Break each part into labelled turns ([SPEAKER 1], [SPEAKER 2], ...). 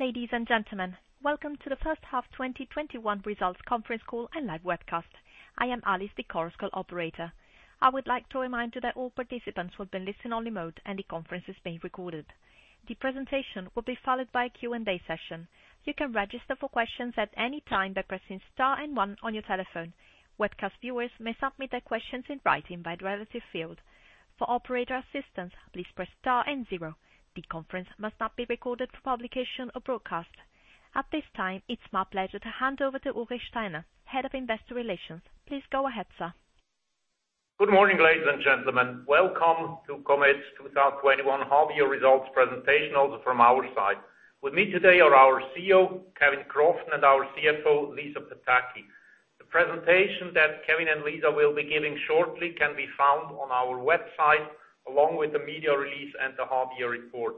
[SPEAKER 1] Ladies and gentlemen, welcome to the first half 2021 results conference call and live webcast. I am Alice, the conference call operator. I would like to remind you that all participants will be in listen-only mode and the conference is being recorded. The presentation will be followed by a Q&A session. You can register for questions at any time by pressing star and one on your telephone. Webcast viewers may submit their questions in writing by the relative field. For operator assistance, please press star and zero. The conference must not be recorded for publication or broadcast. At this time, it's my pleasure to hand over to Ulrich Steiner, Head of Investor Relations. Please go ahead, sir.
[SPEAKER 2] Good morning, ladies and gentlemen. Welcome to Comet's 2021 half year results presentation also from our side. With me today are our CEO, Kevin Crofton, and our CFO, Lisa Pataki. The presentation that Kevin and Lisa will be giving shortly can be found on our website, along with the media release and the half year report.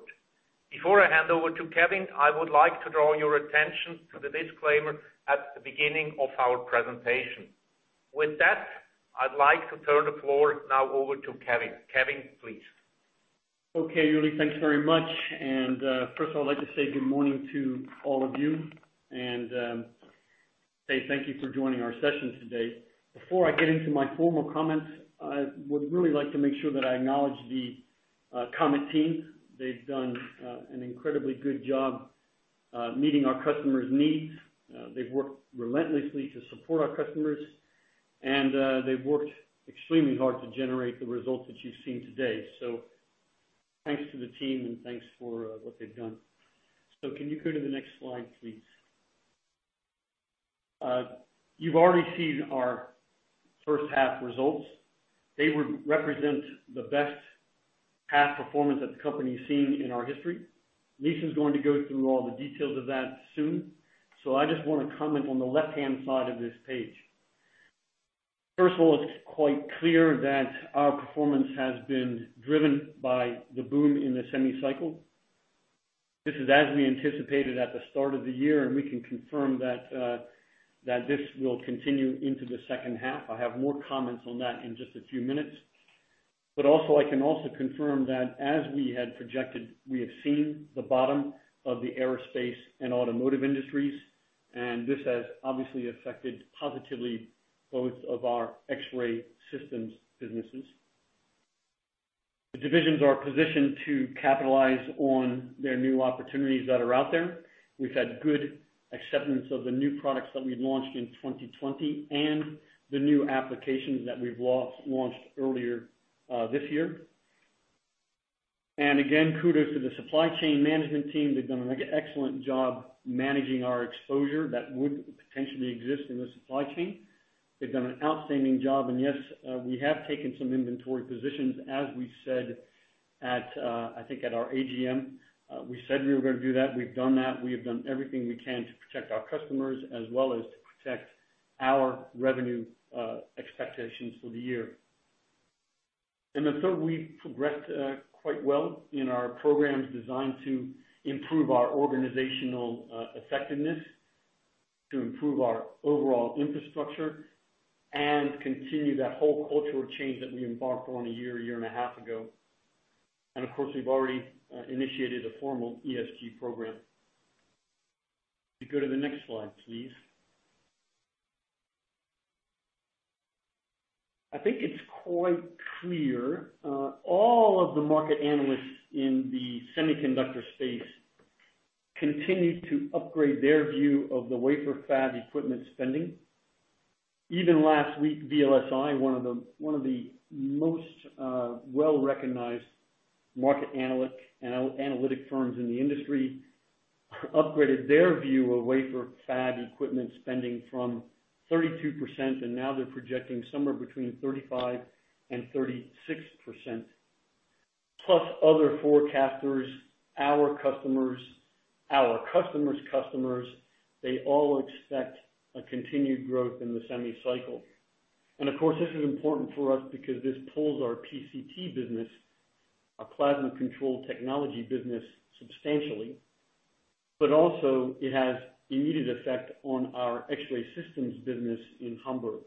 [SPEAKER 2] Before I hand over to Kevin, I would like to draw your attention to the disclaimer at the beginning of our presentation. With that, I'd like to turn the floor now over to Kevin. Kevin, please.
[SPEAKER 3] Okay, Ulrich. Thanks very much. First of all, I'd like to say good morning to all of you and say thank you for joining our session today. Before I get into my formal comments, I would really like to make sure that I acknowledge the Comet team. They've done an incredibly good job meeting our customers' needs. They've worked relentlessly to support our customers, and they've worked extremely hard to generate the results that you've seen today. Thanks to the team, and thanks for what they've done. Can you go to the next slide, please? You've already seen our first half results. They represent the best half performance that the company's seen in our history. Lisa is going to go through all the details of that soon. I just want to comment on the left-hand side of this page. First of all, it's quite clear that our performance has been driven by the boom in the semi cycle. This is as we anticipated at the start of the year, and we can confirm that this will continue into the second half. I have more comments on that in just a few minutes. I can also confirm that as we had projected, we have seen the bottom of the aerospace and automotive industries, and this has obviously affected positively both of our X-ray Systems businesses. The divisions are positioned to capitalize on their new opportunities that are out there. We've had good acceptance of the new products that we've launched in 2020 and the new applications that we've launched earlier this year. Again, kudos to the supply chain management team. They've done an excellent job managing our exposure that would potentially exist in the supply chain. They've done an outstanding job. Yes, we have taken some inventory positions, as we said at our AGM. We said we were going to do that. We've done that. We have done everything we can to protect our customers as well as to protect our revenue expectations for the year. In the third, we progressed quite well in our programs designed to improve our organizational effectiveness, to improve our overall infrastructure, and continue that whole cultural change that we embarked on a year and a half ago. Of course, we've already initiated a formal ESG program. Go to the next slide, please. It's quite clear, all of the market analysts in the semiconductor space continue to upgrade their view of the wafer fab equipment spending. Even last week, VLSI, one of the most well-recognized market analytic firms in the industry, upgraded their view of wafer fab equipment spending from 32%. Now they're projecting somewhere between 35% and 36%. Other forecasters, our customers, our customers' customers, they all expect a continued growth in the semi cycle. Of course, this is important for us because this pulls our PCT business, our Plasma Control Technologies business, substantially. Also it has immediate effect on our X-ray Systems business in Hamburg.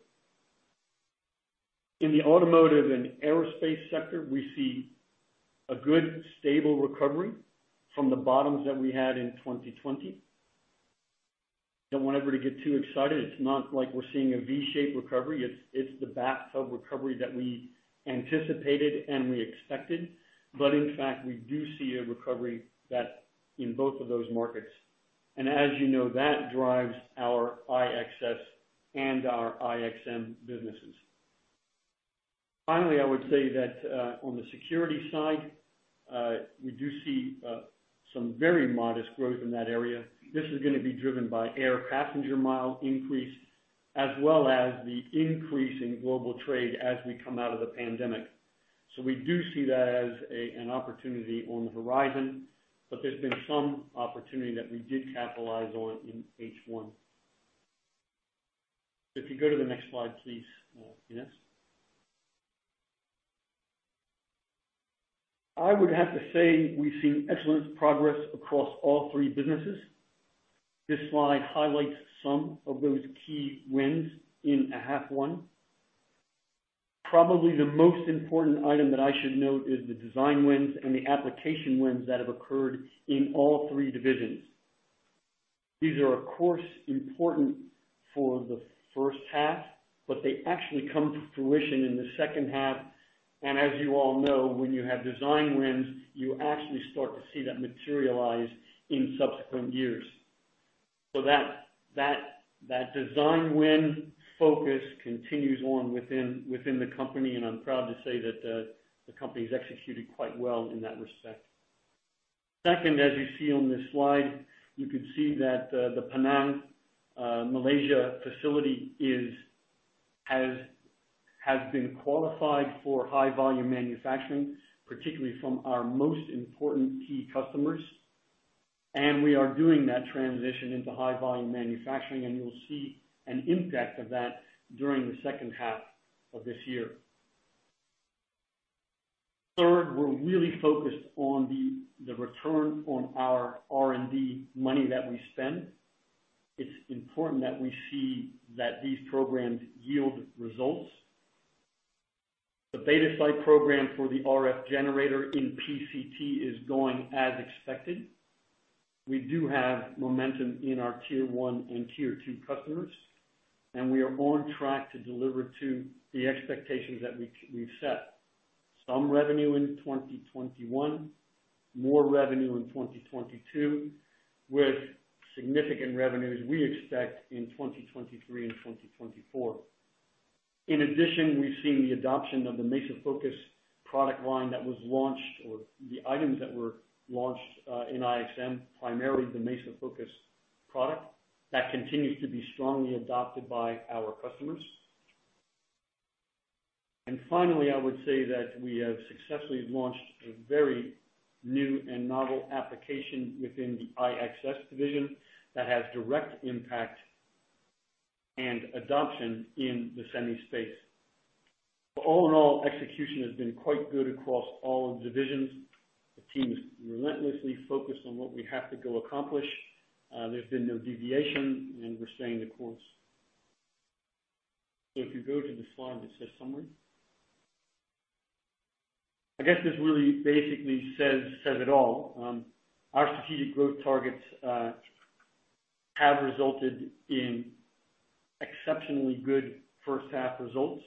[SPEAKER 3] In the automotive and aerospace sector, we see a good, stable recovery from the bottoms that we had in 2020. Don't want everybody to get too excited. It's not like we're seeing a V-shaped recovery. It's the bathtub recovery that we anticipated and we expected. In fact, we do see a recovery in both of those markets. As you know, that drives our IXS and our IXM businesses. I would say that on the security side, we do see some very modest growth in that area. This is going to be driven by air passenger mile increase, as well as the increase in global trade as we come out of the pandemic. We do see that as an opportunity on the horizon, but there's been some opportunity that we did capitalize on in H1. If you go to the next slide, please, Ines. I would have to say we've seen excellent progress across all three businesses. This slide highlights some of those key wins in a half one. Probably the most important item that I should note is the design wins and the application wins that have occurred in all three divisions. These are, of course, important for the first half. They actually come to fruition in the second half. As you all know, when you have design wins, you actually start to see that materialize in subsequent years. That design win focus continues on within the company, and I'm proud to say that the company's executed quite well in that respect. Second, as you see on this slide, you can see that the Penang, Malaysia facility has been qualified for high volume manufacturing, particularly from our most important key customers. We are doing that transition into high volume manufacturing, and you'll see an impact of that during the second half of this year. Third, we're really focused on the return on our R&D money that we spend. It's important that we see that these programs yield results. The beta site program for the RF generator in PCT is going as expected. We do have momentum in our tier 1 and tier 2 customers, and we are on track to deliver to the expectations that we've set. Some revenue in 2021, more revenue in 2022, with significant revenues we expect in 2023 and 2024. In addition, we've seen the adoption of the MesoFocus product line that was launched, or the items that were launched, in IXS, primarily the MesoFocus product. That continues to be strongly adopted by our customers. Finally, I would say that we have successfully launched a very new and novel application within the IXS division that has direct impact and adoption in the semi space. All in all, execution has been quite good across all of the divisions. The team is relentlessly focused on what we have to go accomplish. There's been no deviation, and we're staying the course. If you go to the slide that says summary. I guess this really basically says it all. Our strategic growth targets have resulted in exceptionally good first half results.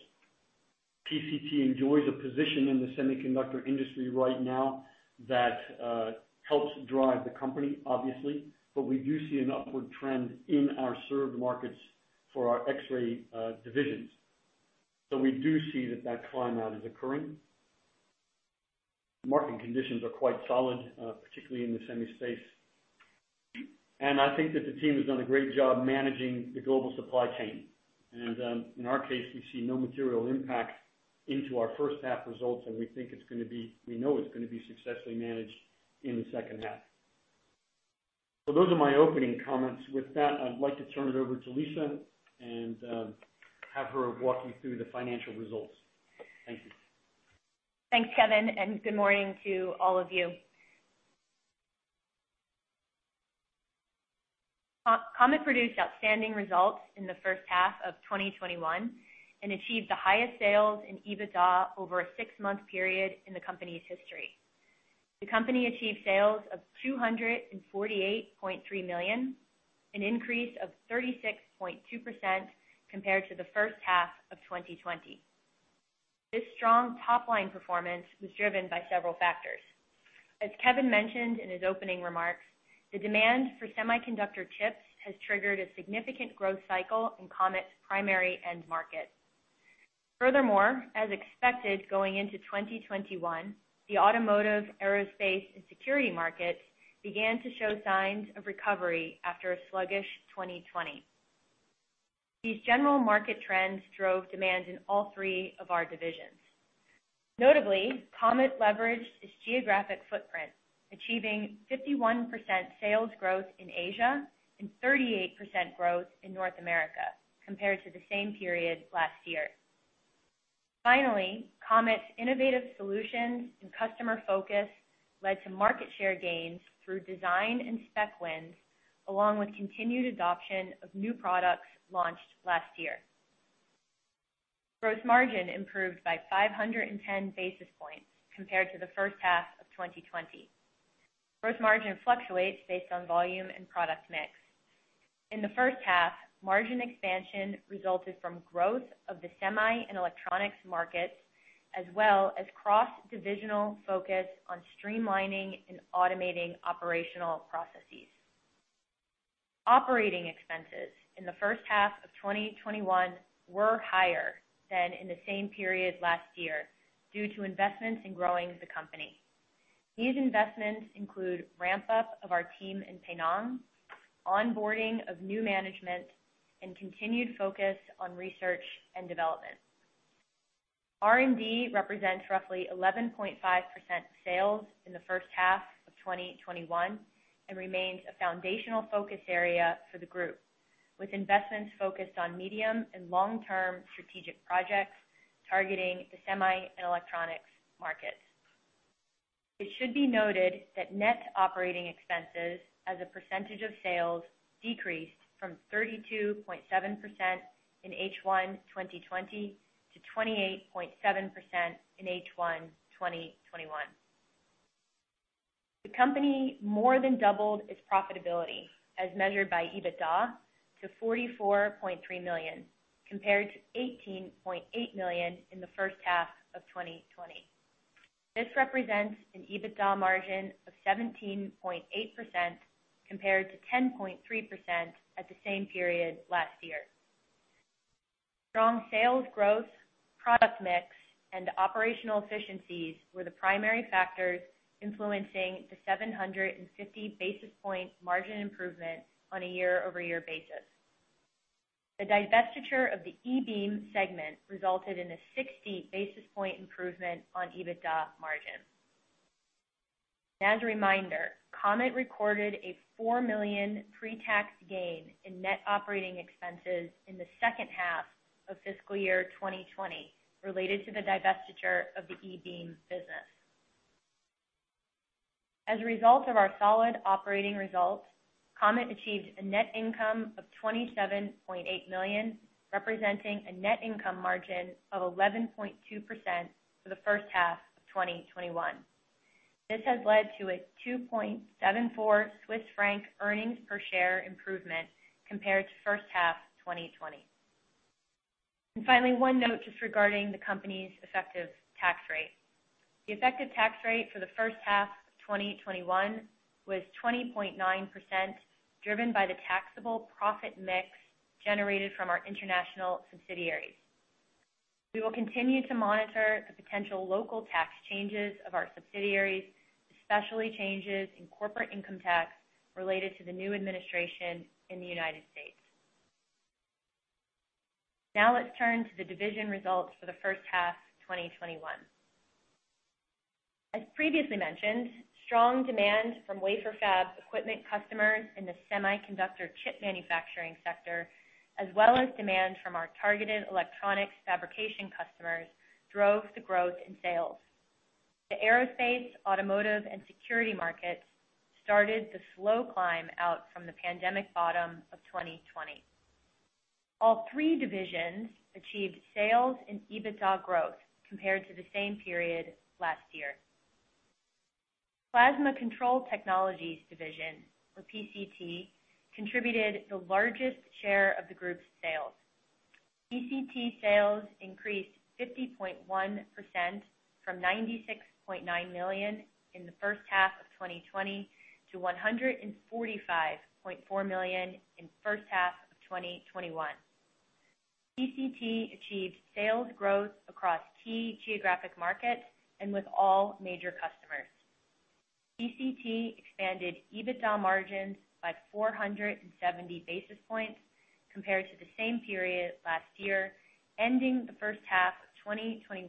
[SPEAKER 3] PCT enjoys a position in the semiconductor industry right now that helps drive the company, obviously, but we do see an upward trend in our served markets for our X-ray divisions. We do see that that climb out is occurring. Market conditions are quite solid, particularly in the semi space. I think that the team has done a great job managing the global supply chain. In our case, we see no material impact into our first half results, and we know it's going to be successfully managed in the second half. Those are my opening comments. With that, I'd like to turn it over to Lisa and have her walk you through the financial results. Thank you.
[SPEAKER 4] Thanks, Kevin. Good morning to all of you. Comet produced outstanding results in the first half of 2021 and achieved the highest sales and EBITDA over a six-month period in the company's history. The company achieved sales of 248.3 million, an increase of 36.2% compared to the first half of 2020. This strong top-line performance was driven by several factors. As Kevin mentioned in his opening remarks, the demand for semiconductor chips has triggered a significant growth cycle in Comet's primary end market. Furthermore, as expected going into 2021, the automotive, aerospace, and security markets began to show signs of recovery after a sluggish 2020. These general market trends drove demand in all three of our divisions. Notably, Comet leveraged its geographic footprint, achieving 51% sales growth in Asia and 38% growth in North America compared to the same period last year. Finally, Comet's innovative solutions and customer focus led to market share gains through design and spec wins, along with continued adoption of new products launched last year. Gross margin improved by 510 basis points compared to the first half of 2020. Gross margin fluctuates based on volume and product mix. In the first half, margin expansion resulted from growth of the semi and electronics markets, as well as cross-divisional focus on streamlining and automating operational processes. Operating expenses in the first half of 2021 were higher than in the same period last year due to investments in growing the company. These investments include ramp-up of our team in Penang, onboarding of new management, and continued focus on research and development. R&D represents roughly 11.5% sales in the first half of 2021 and remains a foundational focus area for the group, with investments focused on medium and long-term strategic projects targeting the semi and electronics markets. It should be noted that net operating expenses as a percentage of sales decreased from 32.7% in H1 2020 to 28.7% in H1 2021. The company more than doubled its profitability, as measured by EBITDA, to 44.3 million, compared to 18.8 million in the first half of 2020. This represents an EBITDA margin of 17.8%, compared to 10.3% at the same period last year. Strong sales growth, product mix, and operational efficiencies were the primary factors influencing the 750 basis point margin improvement on a year-over-year basis. The divestiture of the E-beam segment resulted in a 60 basis point improvement on EBITDA margin. As a reminder, Comet recorded a 4 million pre-tax gain in net operating expenses in the second half of fiscal year 2020 related to the divestiture of the E-beam business. As a result of our solid operating results, Comet achieved a net income of 27.8 million, representing a net income margin of 11.2% for the first half of 2021. This has led to a 2.74 Swiss franc earnings per share improvement compared to first half 2020. Finally, one note just regarding the company's effective tax rate. The effective tax rate for the first half of 2021 was 20.9%, driven by the taxable profit mix generated from our international subsidiaries. We will continue to monitor the potential local tax changes of our subsidiaries, especially changes in corporate income tax related to the new administration in the U.S. Now let's turn to the division results for the first half of 2021. As previously mentioned, strong demand from wafer fab equipment customers in the semiconductor chip manufacturing sector, as well as demand from our targeted electronics fabrication customers, drove the growth in sales. The aerospace, automotive, and security markets started the slow climb out from the pandemic bottom of 2020. All three divisions achieved sales and EBITDA growth compared to the same period last year. Plasma Control Technologies division, or PCT, contributed the largest share of the group's sales. PCT sales increased 50.1%, from 96.9 million in the first half of 2020 to 145.4 million in the first half of 2021. PCT achieved sales growth across key geographic markets and with all major customers. PCT expanded EBITDA margins by 470 basis points compared to the same period last year, ending the first half of 2021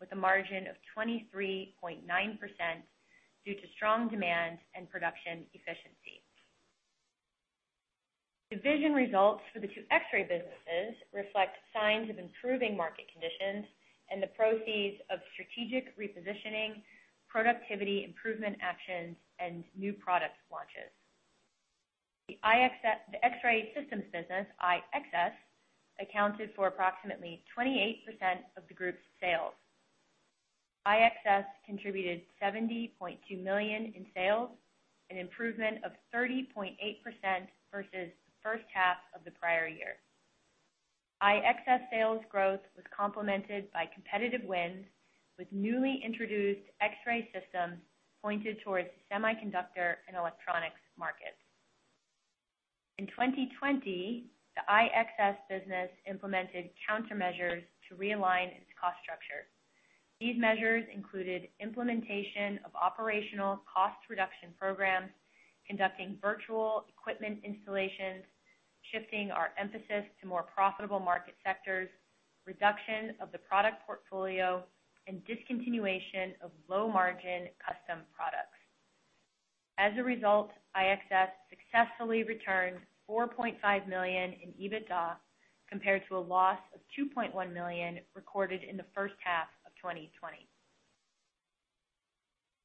[SPEAKER 4] with a margin of 23.9% due to strong demand and production efficiency. Division results for the two X-ray businesses reflect signs of improving market conditions and the proceeds of strategic repositioning, productivity improvement actions, and new product launches. The X-ray Systems business, IXS, accounted for approximately 28% of the group's sales. IXS contributed CHF 70.2 million in sales, an improvement of 30.8% versus the first half of the prior year. IXS sales growth was complemented by competitive wins with newly introduced X-ray systems pointed towards the semiconductor and electronics markets. In 2020, the IXS business implemented countermeasures to realign its cost structure. These measures included implementation of operational cost reduction programs, conducting virtual equipment installations, shifting our emphasis to more profitable market sectors, reduction of the product portfolio, and discontinuation of low-margin custom products. As a result, IXS successfully returned 4.5 million in EBITDA, compared to a loss of 2.1 million recorded in the first half of 2020.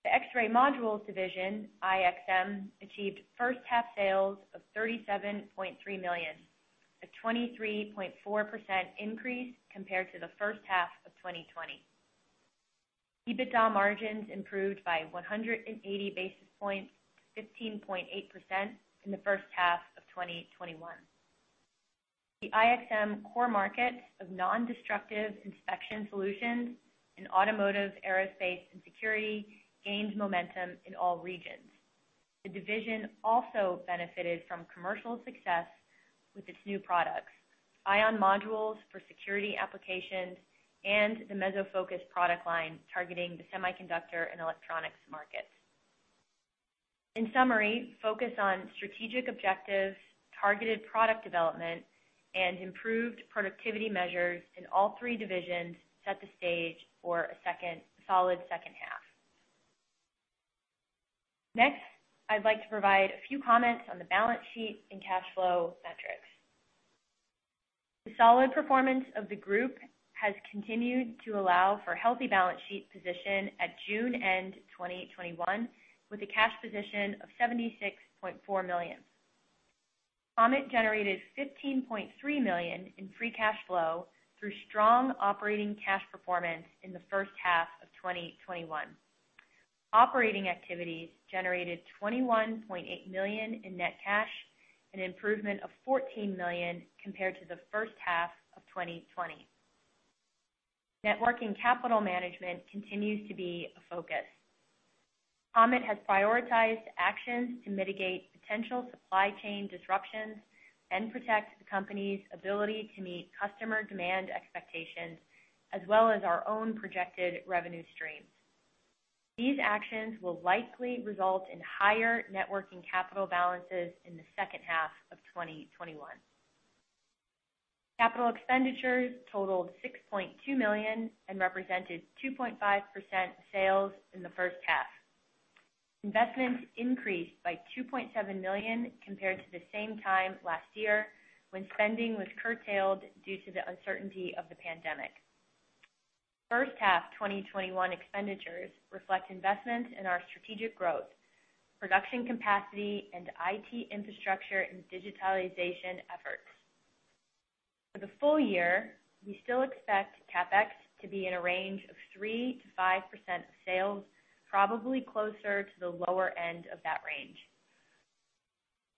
[SPEAKER 4] The X-ray Modules division, IXM, achieved first-half sales of 37.3 million, a 23.4% increase compared to the first half of 2020. EBITDA margins improved by 180 basis points to 15.8% in the first half of 2021. The IXM core markets of nondestructive inspection solutions in automotive, aerospace, and security gained momentum in all regions. The division also benefited from commercial success with its new products, IXM modules for security applications, and the MesoFocus product line targeting the semiconductor and electronics markets. In summary, focus on strategic objectives, targeted product development, and improved productivity measures in all three divisions set the stage for a solid second half. Next, I'd like to provide a few comments on the balance sheet and cash flow metrics. The solid performance of the group has continued to allow for healthy balance sheet position at June end 2021, with a cash position of 76.4 million. Comet generated 15.3 million in free cash flow through strong operating cash performance in the first half of 2021. Operating activities generated 21.8 million in net cash, an improvement of 14 million compared to the first half of 2020. Networking capital management continues to be a focus. Comet has prioritized actions to mitigate potential supply chain disruptions and protect the company's ability to meet customer demand expectations, as well as our own projected revenue streams. These actions will likely result in higher networking capital balances in the second half of 2021. Capital expenditures totaled 6.2 million and represented 2.5% sales in the first half. Investments increased by 2.7 million compared to the same time last year, when spending was curtailed due to the uncertainty of the pandemic. First half 2021 expenditures reflect investments in our strategic growth, production capacity, and IT infrastructure, and digitalization efforts. For the full-year, we still expect CapEx to be in a range of 3%-5% of sales, probably closer to the lower end of that range.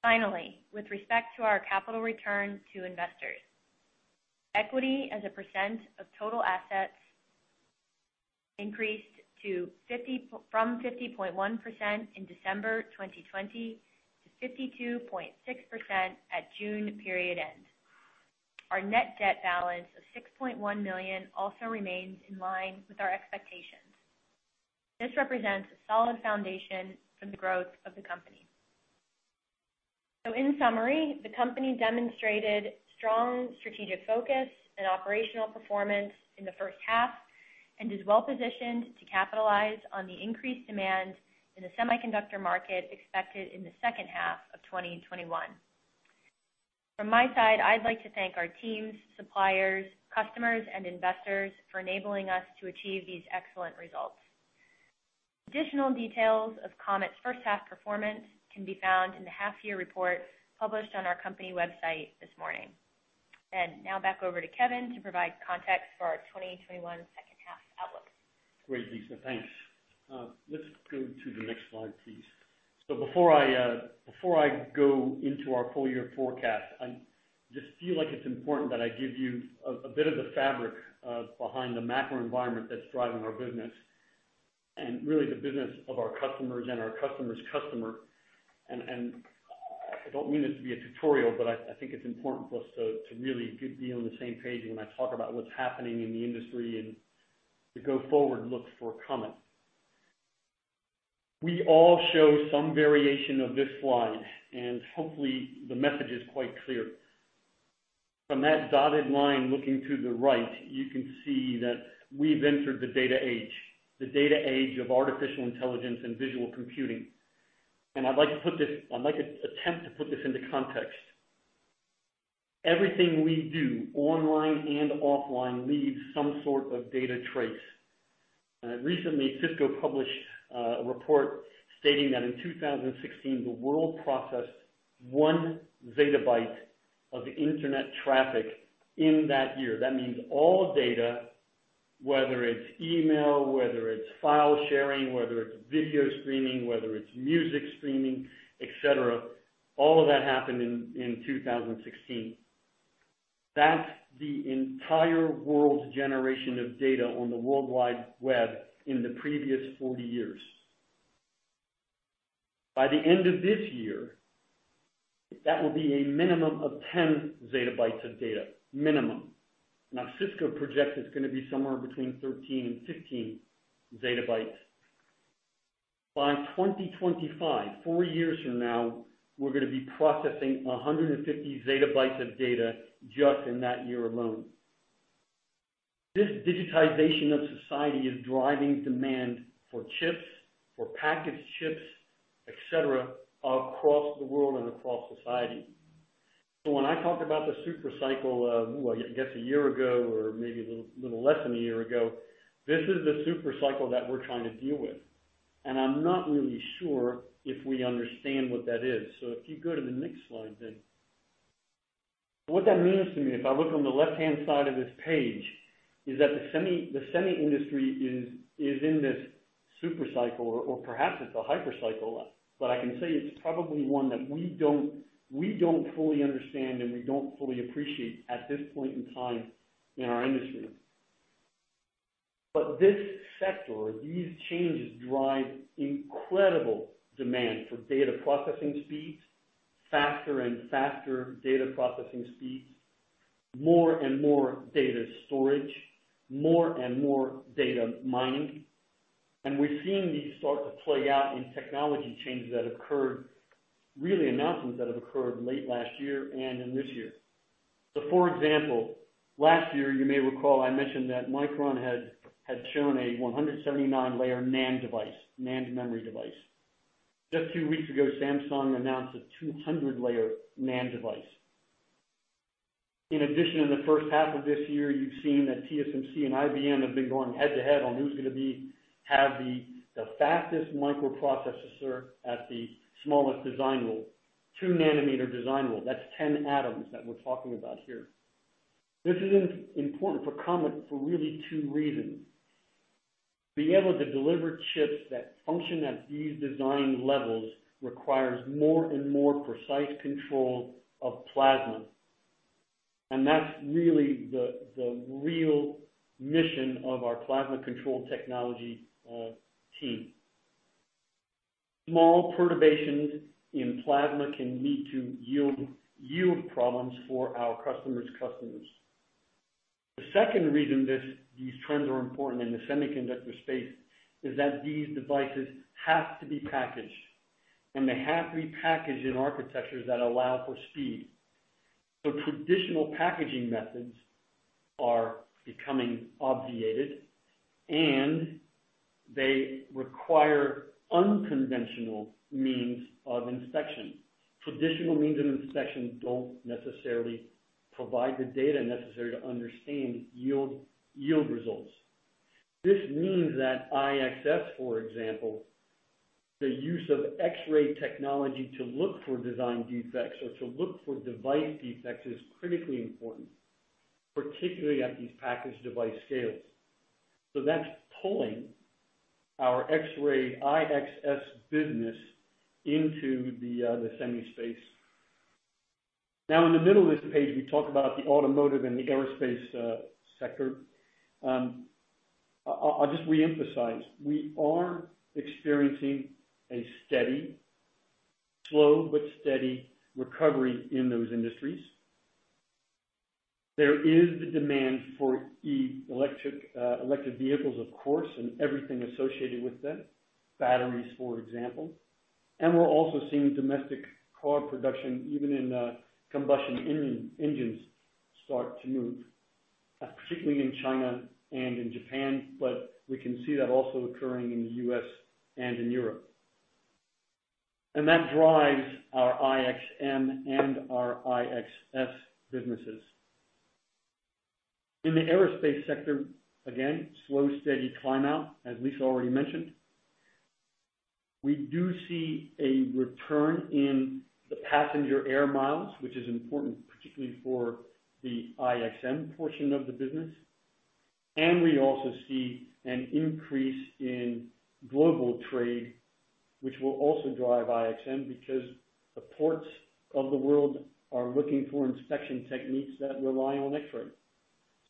[SPEAKER 4] Finally, with respect to our capital return to investors, equity as a percent of total assets increased from 50.1% in December 2020 to 52.6% at June period end. Our net debt balance of 6.1 million also remains in line with our expectations. This represents a solid foundation for the growth of the company. In summary, the company demonstrated strong strategic focus and operational performance in the first half and is well-positioned to capitalize on the increased demand in the semiconductor market expected in the second half of 2021. From my side, I'd like to thank our teams, suppliers, customers, and investors for enabling us to achieve these excellent results. Additional details of Comet's first half performance can be found in the half-year report published on our company website this morning. Now back over to Kevin to provide context for our 2021 second half outlook.
[SPEAKER 3] Great, Lisa. Thanks. Let's go to the next slide, please. Before I go into our full-year forecast, I just feel like it's important that I give you a bit of the fabric behind the macro environment that's driving our business and really the business of our customers and our customer's customer. I don't mean it to be a tutorial, but I think it's important for us to really be on the same page when I talk about what's happening in the industry and the go-forward look for Comet. We all show some variation of this slide, and hopefully the message is quite clear. From that dotted line looking to the right, you can see that we've entered the data age, the data age of artificial intelligence and visual computing. I'd like to attempt to put this into context. Everything we do online and offline leaves some sort of data trace. Recently, Cisco published a report stating that in 2016, the world processed 1 zettabyte of internet traffic in that year. That means all data, whether it's email, whether it's file sharing, whether it's video streaming, whether it's music streaming, et cetera, all of that happened in 2016. That's the entire world's generation of data on the worldwide web in the previous 40 years. By the end of this year, that will be a minimum of 10 zettabytes of data. Minimum. Cisco projects it's going to be somewhere between 13 and 15 zettabytes. By 2025, four years from now, we're going to be processing 150 zettabytes of data just in that year alone. This digitization of society is driving demand for chips, for packaged chips, et cetera, across the world and across society. When I talked about the super cycle, well, I guess a year ago, or maybe a little less than a year ago, this is the super cycle that we're trying to deal with, and I'm not really sure if we understand what that is. If you go to the next slide. What that means to me, if I look on the left-hand side of this page, is that the semi industry is in this super cycle, or perhaps it's a hyper cycle. I can say it's probably one that we don't fully understand and we don't fully appreciate at this point in time in our industry. This sector or these changes drive incredible demand for data processing speeds, faster and faster data processing speeds, more and more data storage, more and more data mining. We're seeing these start to play out in technology changes that occurred, really announcements that have occurred late last year and in this year. For example, last year, you may recall I mentioned that Micron had shown a 179-layer NAND device, NAND memory device. Just two weeks ago, Samsung announced a 200-layer NAND device. In addition, in the first half of this year, you've seen that TSMC and IBM have been going head-to-head on who's going to have the fastest microprocessor at the smallest design rule, two nanometer design rule. That's 10 atoms that we're talking about here. This is important for Comet for really two reasons. Being able to deliver chips that function at these design levels requires more and more precise control of plasma. That's really the real mission of our Plasma Control Technologies team. Small perturbations in plasma can lead to yield problems for our customers' customers. The second reason these trends are important in the semiconductor space is that these devices have to be packaged, and they have to be packaged in architectures that allow for speed. Traditional packaging methods are becoming obviated, and they require unconventional means of inspection. Traditional means of inspection don't necessarily provide the data necessary to understand yield results. This means that IXS, for example, the use of X-ray technology to look for design defects or to look for device defects, is critically important, particularly at these package device scales. That's pulling our X-ray IXS business into the semi space. Now, in the middle of this page, we talk about the automotive and the aerospace sector. I'll just reemphasize, we are experiencing a steady, slow but steady recovery in those industries. There is the demand for electric vehicles, of course, and everything associated with them, batteries, for example. We're also seeing domestic car production, even in combustion engines, start to move, particularly in China and in Japan. We can see that also occurring in the U.S. and in Europe. That drives our IXM and our IXS businesses. In the aerospace sector, again, slow, steady climb-out, as Lisa Pataki already mentioned. We do see a return in the passenger air miles, which is important particularly for the IXM portion of the business. We also see an increase in global trade, which will also drive IXM because the ports of the world are looking for inspection techniques that rely on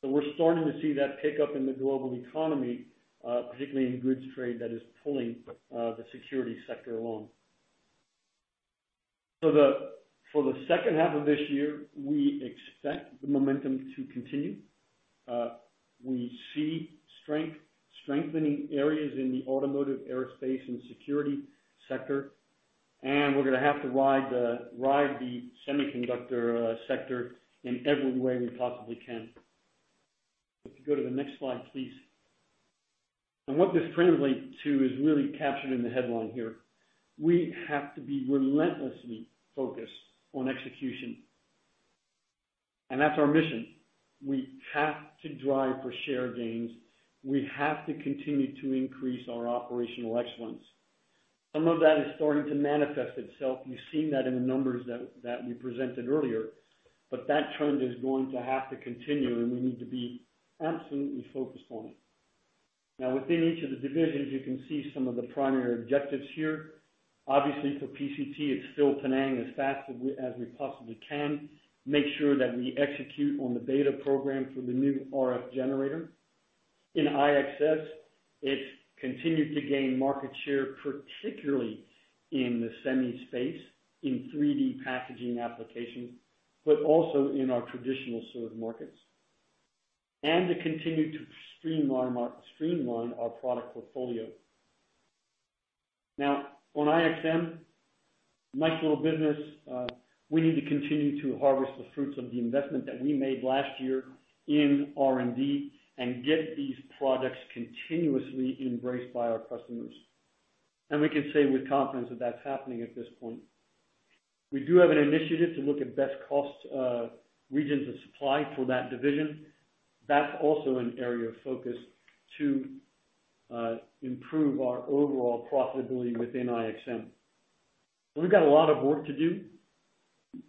[SPEAKER 3] X-ray. We're starting to see that pick up in the global economy, particularly in goods trade that is pulling the security sector along. For the second half of this year, we expect the momentum to continue. We see strengthening areas in the automotive, aerospace, and security sector, and we're going to have to ride the semiconductor sector in every way we possibly can. If you go to the next slide, please. What this frames link to is really captured in the headline here. We have to be relentlessly focused on execution. That's our mission. We have to drive for share gains. We have to continue to increase our operational excellence. Some of that is starting to manifest itself. You've seen that in the numbers that we presented earlier. That trend is going to have to continue, and we need to be absolutely focused on it. Now, within each of the divisions, you can see some of the primary objectives here. Obviously, for PCT, it's still Penang as fast as we possibly can. Make sure that we execute on the beta program for the new RF generator. In IXS, it's continue to gain market share, particularly in the semi space, in 3D packaging applications, but also in our traditional sort of markets. To continue to streamline our product portfolio. On IXM, nice little business. We need to continue to harvest the fruits of the investment that we made last year in R&D and get these products continuously embraced by our customers. We can say with confidence that that's happening at this point. We do have an initiative to look at best cost regions of supply for that division. That's also an area of focus to improve our overall profitability within IXM. We've got a lot of work to do. It's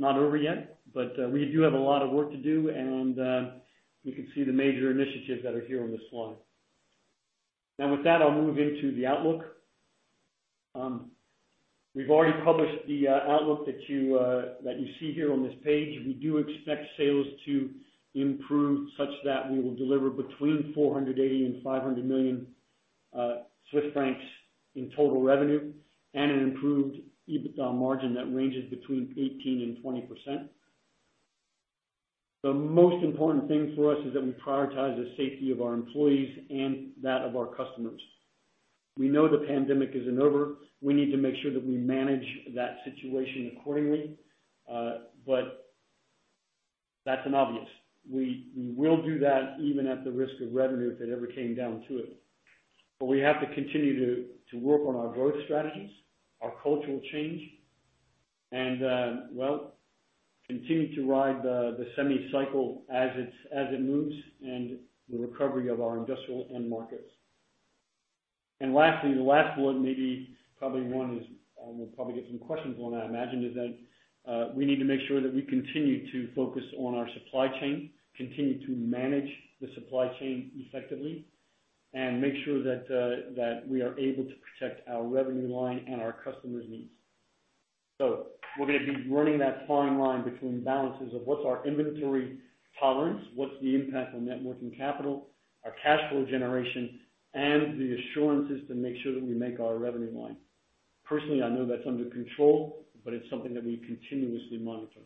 [SPEAKER 3] not over yet, but we do have a lot of work to do, and you can see the major initiatives that are here on this slide. With that, I'll move into the outlook. We've already published the outlook that you see here on this page. We do expect sales to improve such that we will deliver between 480 million and 500 million Swiss francs in total revenue and an improved EBITDA margin that ranges between 18% and 20%. The most important thing for us is that we prioritize the safety of our employees and that of our customers. We know the pandemic isn't over. We need to make sure that we manage that situation accordingly. That's an obvious. We will do that even at the risk of revenue if it ever came down to it. We have to continue to work on our growth strategies, our cultural change, and continue to ride the semi cycle as it moves, and the recovery of our industrial end markets. Lastly, the last one, maybe probably one is, and we'll probably get some questions on that I imagine, is that we need to make sure that we continue to focus on our supply chain, continue to manage the supply chain effectively, and make sure that we are able to protect our revenue line and our customers' needs. We're going to be running that fine line between balances of what's our inventory tolerance, what's the impact on net working capital, our cash flow generation, and the assurances to make sure that we make our revenue line. Personally, I know that's under control, but it's something that we continuously monitor.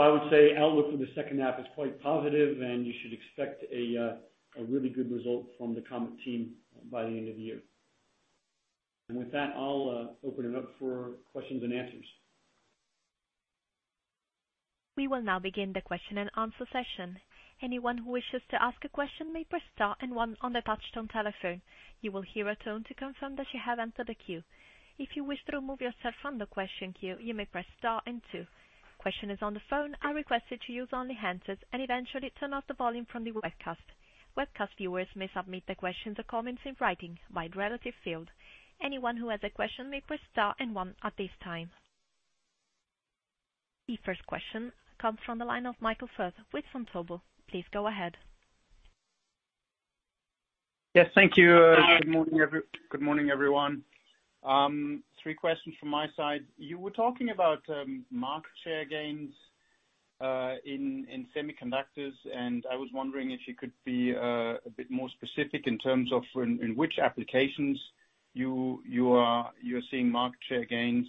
[SPEAKER 3] I would say outlook for the second half is quite positive, and you should expect a really good result from the Comet team by the end of the year. With that, I'll open it up for questions and answers.
[SPEAKER 1] We will now begin the question-and-answer session. Anyone who wishes to ask a question may press star and one on the touchtone telephone. You will hear a tone to confirm that you have entered the queue. If you wish to remove yourself from the question queue, you may press star and two. Questioners on the phone are requested to use only handsets and eventually turn off the volume from the webcast. Webcast viewers may submit their questions or comments in writing via the relative field. Anyone who has a question may press star and one at this time. The first question comes from the line of Michael Foeth with Vontobel. Please go ahead.
[SPEAKER 5] Yes, thank you. Good morning, everyone. three questions from my side. You were talking about market share gains in semiconductors, and I was wondering if you could be a bit more specific in terms of in which applications you are seeing market share gains,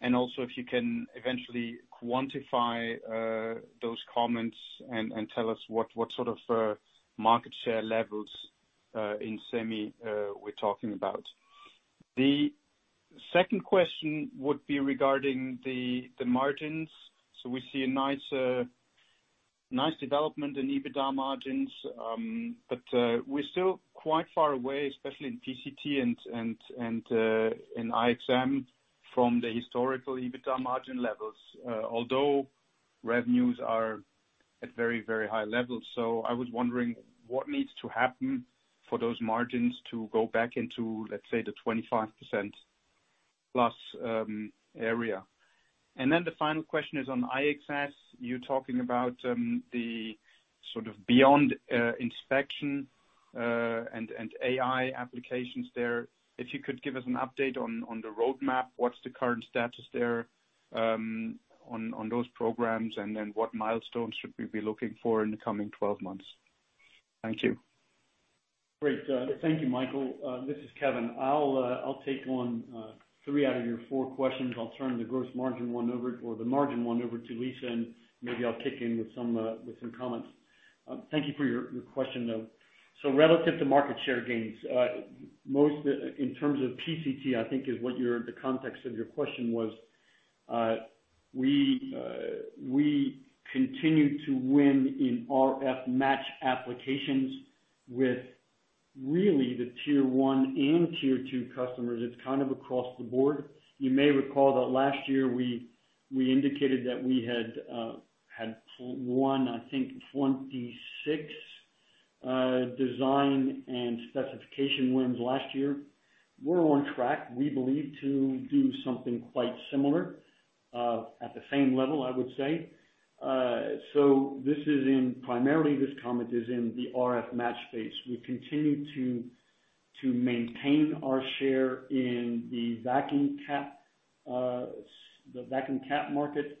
[SPEAKER 5] and also if you can eventually quantify those comments and tell us what sort of market share levels in semi we're talking about. The second question would be regarding the margins. We see a nice development in EBITDA margins, but we're still quite far away, especially in PCT and IXM from the historical EBITDA margin levels, although revenues are at very high levels. I was wondering what needs to happen for those margins to go back into, let's say, the 25%+ area. The final question is on IXS. You're talking about the sort of beyond inspection, and AI applications there. If you could give us an update on the roadmap, what's the current status there on those programs, and then what milestones should we be looking for in the coming 12 months? Thank you.
[SPEAKER 3] Great. Thank you, Michael. This is Kevin. I'll take on three out of your four questions. I'll turn the gross margin one over, or the margin one over to Lisa, and maybe I'll kick in with some comments. Thank you for your question, though. Relative to market share gains, most in terms of PCT, I think is what the context of your question was. We continue to win in RF match applications with really the tier 1 and tier 2 customers. It's kind of across the board. You may recall that last year we indicated that we had won, I think, 26 design and specification wins last year. We're on track, we believe, to do something quite similar, at the same level, I would say. Primarily, this comment is in the RF match space. We continue to maintain our share in the vacuum cap market.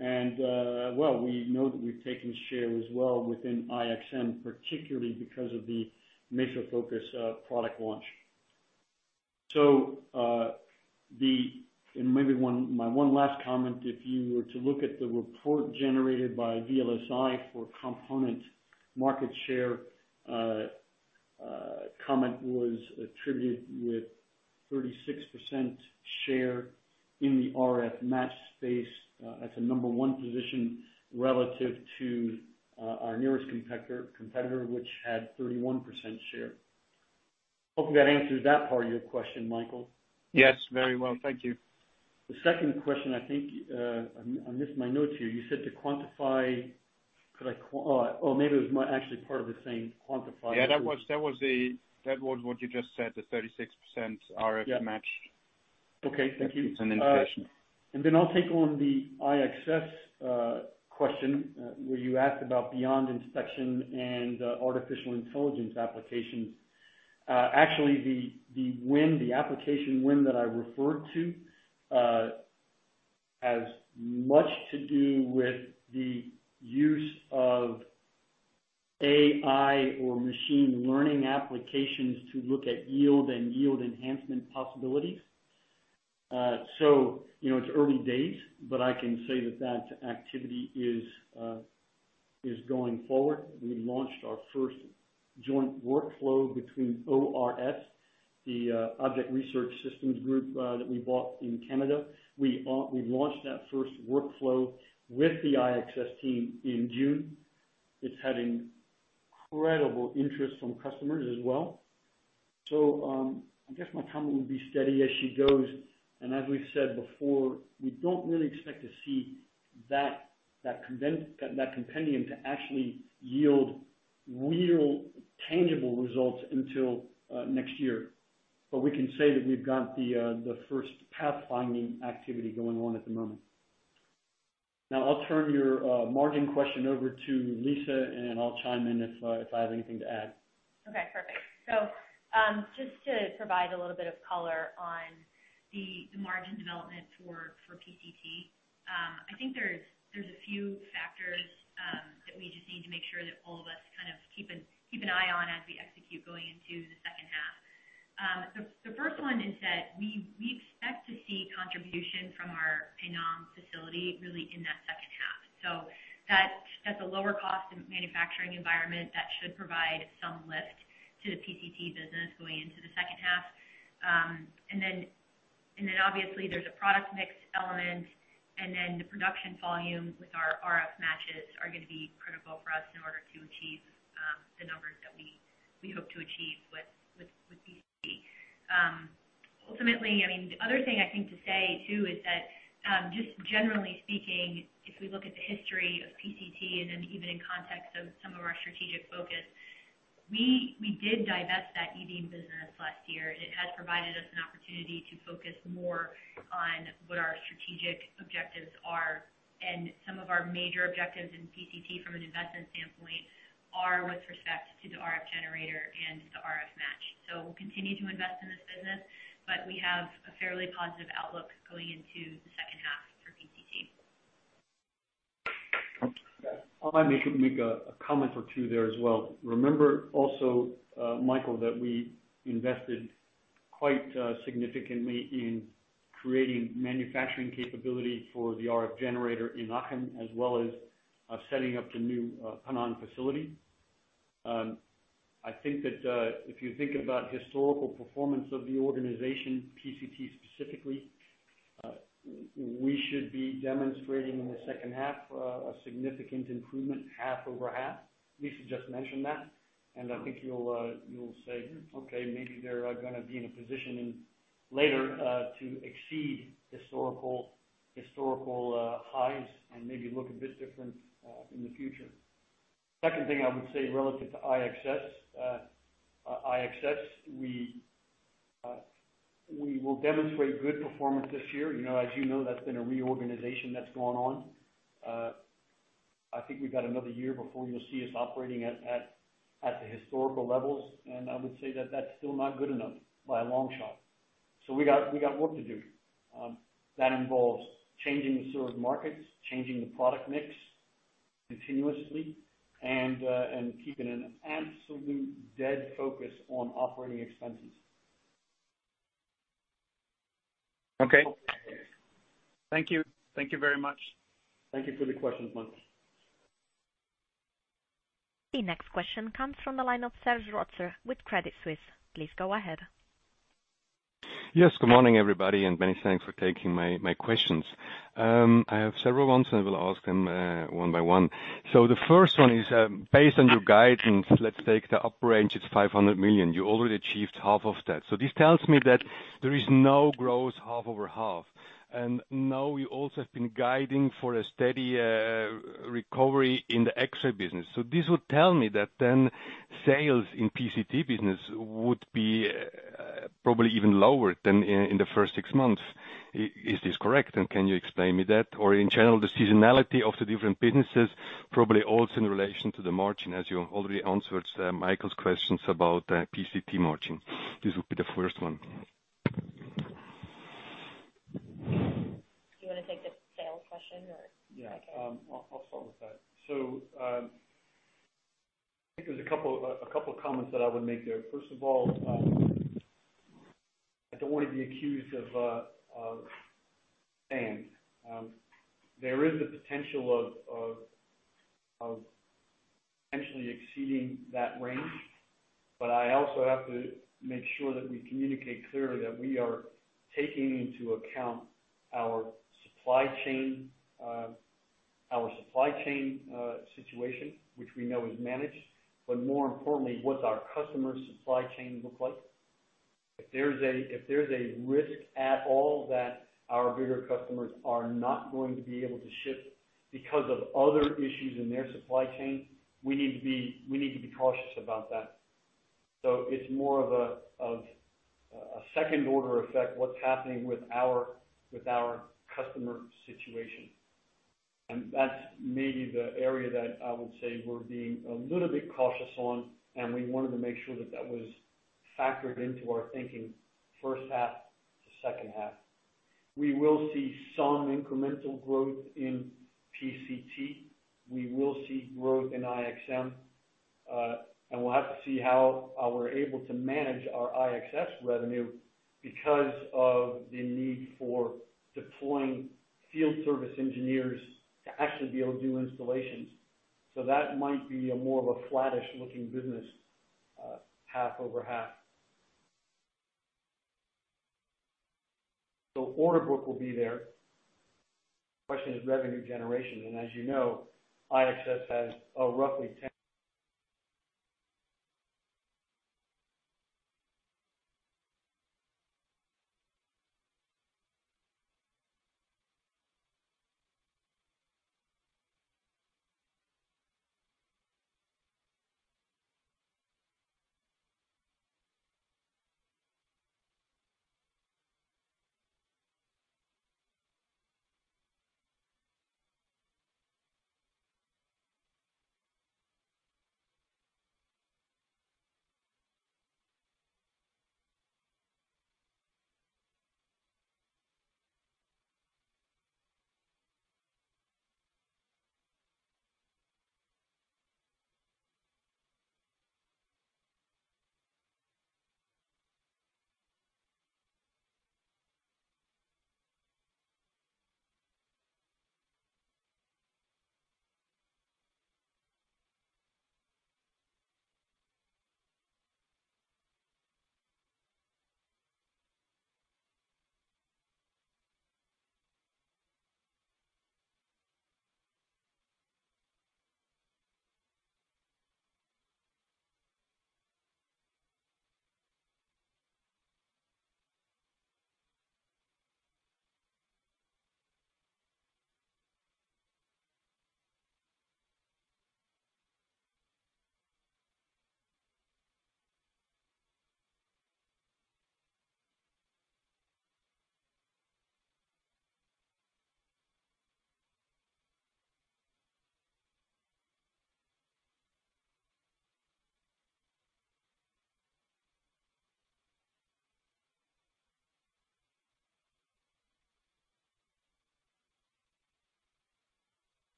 [SPEAKER 3] We know that we've taken share as well within IXM, particularly because of the MesoFocus product launch. If you were to look at the report generated by VLSI for component market share, Comet was attributed with 36% share in the RF match space. That's a number one position relative to our nearest competitor, which had 31% share. Hopefully, that answers that part of your question, Michael.
[SPEAKER 5] Yes. Very well. Thank you.
[SPEAKER 3] The second question, I think, I missed my notes here. You said to quantify. Maybe it was actually part of the same quantify.
[SPEAKER 5] Yeah, that was what you just said, the 36% RF match.
[SPEAKER 3] Okay, thank you. I'll take on the IXS question, where you asked about beyond inspection and artificial intelligence applications. Actually, the application win that I referred to has much to do with the use of AI or machine learning applications to look at yield and yield enhancement possibilities. It's early days, but I can say that activity is going forward. We launched our first joint workflow between ORS, the Object Research Systems group that we bought in Canada. We launched that first workflow with the IXS team in June. It's had incredible interest from customers as well. I guess my comment would be steady as she goes, and as we've said before, we don't really expect to see that compendium to actually yield real tangible results until next year. We can say that we've got the first pathfinding activity going on at the moment. Now, I'll turn your margin question over to Lisa, and I'll chime in if I have anything to add.
[SPEAKER 4] Okay, perfect. Just to provide a little bit of color on the margin development for PCT. I think there's a few factors that we just need to make sure that all of us kind of keep an eye on as we execute going into the second half. The first one is that we expect to see contribution from our Penang facility really in that second half. That's a lower cost in manufacturing environment that should provide some lift to the PCT business going into the second half. Obviously there's a product mix element, and then the production volume with our RF matches are going to be critical for us in order to achieve the numbers that we hope to achieve with PCT. Ultimately, the other thing I think to say, too, is that, just generally speaking, if we look at the history of PCT and then even in context of some of our strategic focus, we did divest that E-beam business last year. It has provided us an opportunity to focus more on what our strategic objectives are. Some of our major objectives in PCT from an investment standpoint are with respect to the RF generator and the RF match. We'll continue to invest in this business, but we have a fairly positive outlook going into the second half for PCT.
[SPEAKER 3] I'll maybe make a comment or two there as well. Remember also, Michael, that we invested quite significantly in creating manufacturing capability for the RF generator in Aachen, as well as setting up the new Penang facility. I think that if you think about historical performance of the organization, PCT specifically, we should be demonstrating in the second half a significant improvement half-over-half. Lisa just mentioned that, and I think you'll say, "Okay, maybe they're going to be in a position later to exceed historical highs and maybe look a bit different in the future." Second thing I would say relative to IXS. We will demonstrate good performance this year. As you know, that's been a reorganization that's gone on. I think we've got another year before you'll see us operating at the historical levels, and I would say that that's still not good enough by a long shot. We got work to do. That involves changing the served markets, changing the product mix continuously, and keeping an absolute dead focus on operating expenses.
[SPEAKER 5] Okay. Thank you. Thank you very much.
[SPEAKER 3] Thank you for the question, Michael.
[SPEAKER 1] The next question comes from the line of Serge Rotzer with Credit Suisse. Please go ahead.
[SPEAKER 6] Yes, good morning, everybody, and many thanks for taking my questions. I have several ones, and I will ask them one by one. The first one is, based on your guidance, let's take the upper range, it's 500 million. You already achieved half of that. This tells me that there is no growth half-over-half. Now you also have been guiding for a steady recovery in the X-ray business. This would tell me that then sales in PCT business would be probably even lower than in the first six months. Is this correct? Can you explain me that? In general, the seasonality of the different businesses, probably also in relation to the margin, as you already answered Michael's questions about PCT margin. This would be the first one.
[SPEAKER 4] Do you want to take the sales question or I can?
[SPEAKER 3] Yeah. I'll start with that. I think there's a couple of comments that I would make there. First of all, I don't want to be accused of saying. There is the potential of potentially exceeding that range, but I also have to make sure that we communicate clearly that we are taking into account our supply chain situation, which we know is managed, but more importantly, what our customer's supply chain looks like. If there's a risk at all that our bigger customers are not going to be able to ship because of other issues in their supply chain, we need to be cautious about that. It's more of a second-order effect, what's happening with our customer situation. That's maybe the area that I would say we're being a little bit cautious on, and we wanted to make sure that that was factored into our thinking first half to second half. We will see some incremental growth in PCT. We will see growth in IXM. We'll have to see how we're able to manage our IXS revenue because of the need for deploying field service engineers to actually be able to do installations. That might be a more of a flattish looking business, half over half. Order book will be there. Question is revenue generation, and as you know, IXS has a roughly 10-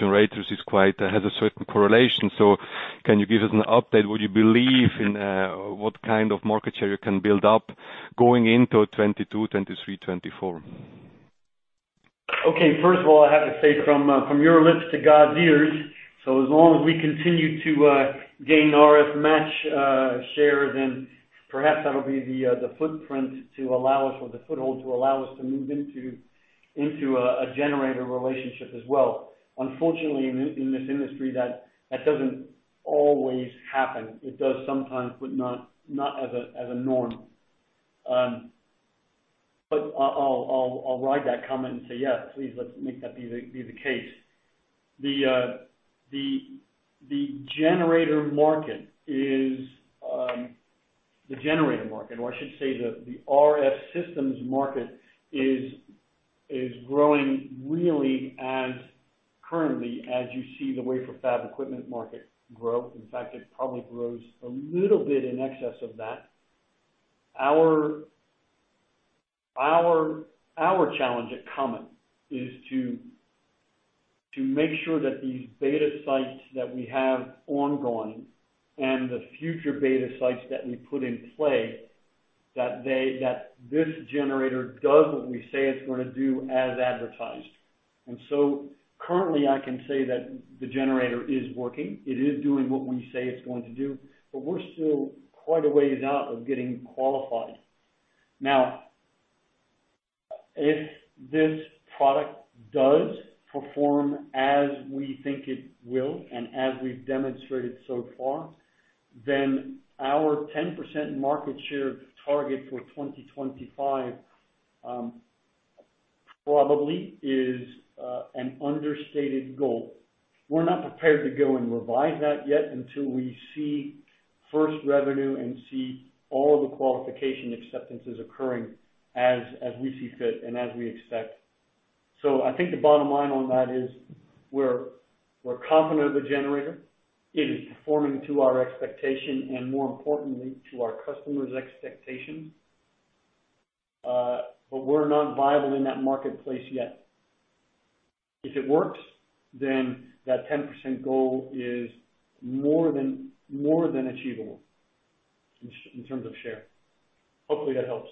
[SPEAKER 6] Generators has a certain correlation. Can you give us an update? Would you believe in what kind of market share you can build up going into 2022, 2023, 2024?
[SPEAKER 3] Okay. First of all, I have to say from your lips to God's ears, so as long as we continue to gain RF match shares, then perhaps that'll be the footprint to allow us, or the foothold to allow us to move into a generator relationship as well. Unfortunately, in this industry, that doesn't always happen. It does sometimes, but not as a norm. I'll ride that comment and say, "Yes, please, let's make that be the case." The generator market, or I should say the RF systems market, is growing really as currently as you see the wafer fab equipment market grow. In fact, it probably grows a little bit in excess of that. Our challenge at Comet is to make sure that these beta sites that we have ongoing and the future beta sites that we put in play, that this generator does what we say it's going to do as advertised. Currently, I can say that the generator is working. It is doing what we say it's going to do, but we're still quite a ways out of getting qualified. If this product does perform as we think it will, and as we've demonstrated so far, then our 10% market share target for 2025 probably is an understated goal. We're not prepared to go and revise that yet until we see first revenue and see all of the qualification acceptances occurring as we see fit and as we expect. I think the bottom line on that is we're confident of the generator. It is performing to our expectation and more importantly, to our customers' expectations. We're not viable in that marketplace yet. If it works, then that 10% goal is more than achievable in terms of share. Hopefully that helps.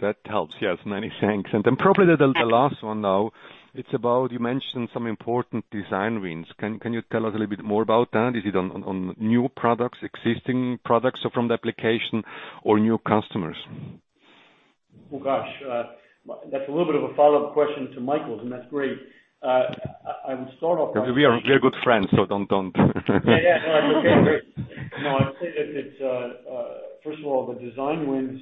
[SPEAKER 6] That helps, yes. Many thanks. Probably the last one now. It's about, you mentioned some important design wins. Can you tell us a little bit more about that? Is it on new products, existing products, so from the application or new customers?
[SPEAKER 3] Oh, gosh. That's a little bit of a follow-up question to Michael's, and that's great. I would start off.
[SPEAKER 6] We are good friends, so don't.
[SPEAKER 3] Yeah. No, I appreciate it. I'd say that first of all, the design wins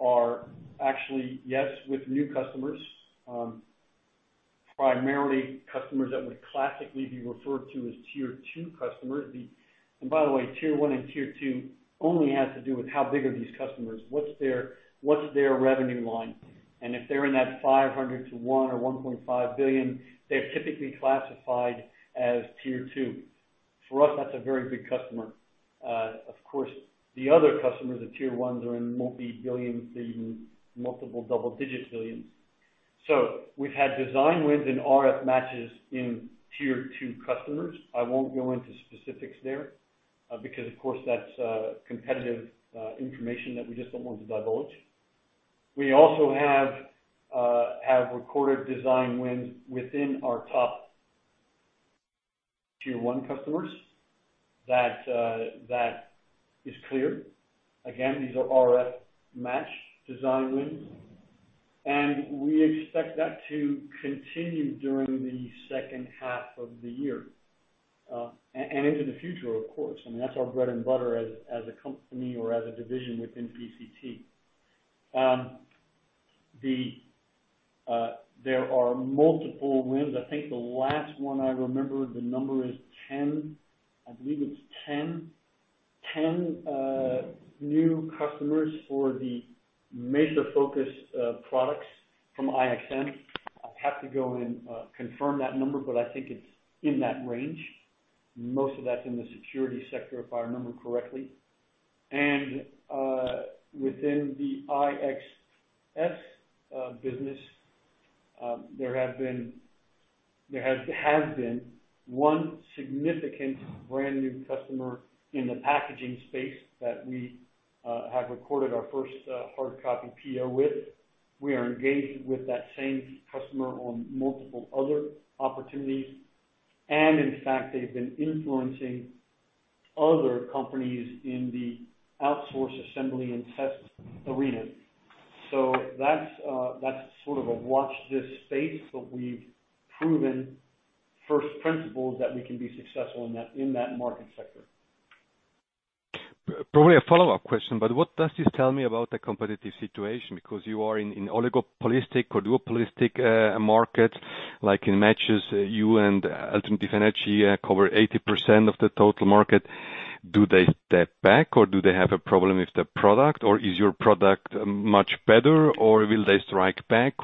[SPEAKER 3] are actually, yes, with new customers. Primarily customers that would classically be referred to as Tier 2 customers. By the way, Tier 1 and Tier 2 only has to do with how big are these customers, what's their revenue line? If they're in that 500 to 1 or 1.5 billion, they're typically classified as Tier 2. For us, that's a very big customer. Of course, the other customers of Tier 1s are in multi-billions to even multiple double-digits billions. We've had design wins and RF matches in Tier 2 customers. I won't go into specifics there, because of course that's competitive information that we just don't want to divulge. We also have recorded design wins within our top Tier 1 customers. That is clear. These are RF match design wins. We expect that to continue during the second half of the year, into the future of course. I mean, that's our bread and butter as a company or as a division within PCT. There are multiple wins. I think the last one I remember, the number is 10. I believe it's 10 new customers for the MesoFocus products from IXS. I'd have to go and confirm that number. I think it's in that range. Most of that's in the security sector, if I remember correctly. Within the IXS business, there has been one significant brand new customer in the packaging space that we have recorded our first hard copy PO with. We are engaged with that same customer on multiple other opportunities. In fact, they've been influencing other companies in the outsource assembly and test arena. That's sort of a watch this space, but we've proven first principles that we can be successful in that market sector.
[SPEAKER 6] Probably a follow-up question, but what does this tell me about the competitive situation? Because you are in oligopolistic or duopolistic market, like in RF matches, you and Advanced Energy cover 80% of the total market. Do they step back? Do they have a problem with the product? Is your product much better? Will they strike back?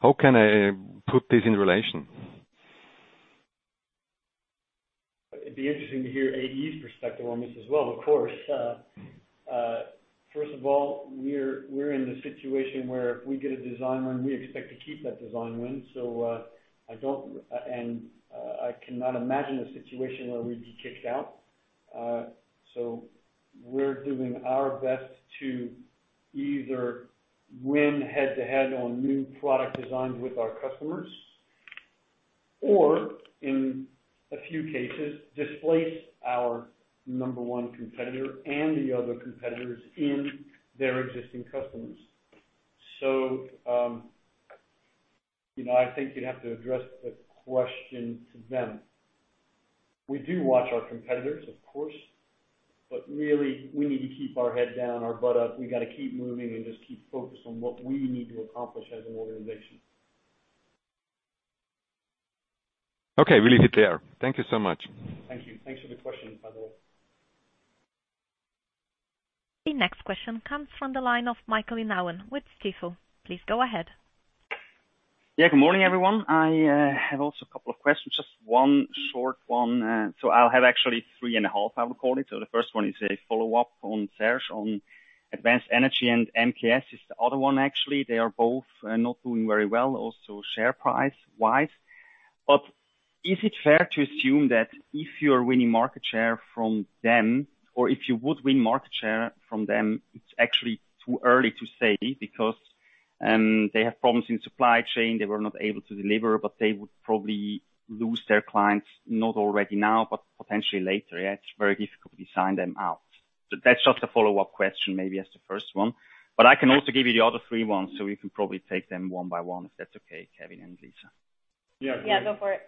[SPEAKER 6] How can I put this in relation?
[SPEAKER 3] It'd be interesting to hear AE's perspective on this as well, of course. First of all, we're in the situation where if we get a design win, we expect to keep that design win. I cannot imagine a situation where we'd be kicked out. We're doing our best to either win head-to-head on new product designs with our customers or, in a few cases, displace our number one competitor and the other competitors in their existing customers. I think you'd have to address the question to them. We do watch our competitors, of course, but really we need to keep our head down, our butt up. We got to keep moving and just keep focused on what we need to accomplish as an organization.
[SPEAKER 6] Okay. We'll leave it there. Thank you so much.
[SPEAKER 1] Thank you. Thanks for the question, by the way. The next question comes from the line of Michael Inauen with Stifel. Please go ahead.
[SPEAKER 7] Yeah. Good morning, everyone. I have also two questions, just one short one. I'll have actually three and a half, I would call it. The first one is a follow-up on Serge, on Advanced Energy, and MKS is the other one, actually. They are both not doing very well, also share price-wise. Is it fair to assume that if you are winning market share from them, or if you would win market share from them, it's actually too early to say, because they have problems in supply chain. They were not able to deliver, they would probably lose their clients, not already now, but potentially later, yeah. It's very difficult to design them out. That's just a follow-up question, maybe as the first one. I can also give you the other three ones. We can probably take them one by one, if that's okay, Kevin and Lisa.
[SPEAKER 3] Yeah.
[SPEAKER 4] Yeah, go for it.